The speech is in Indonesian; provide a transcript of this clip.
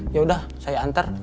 ya udah saya antar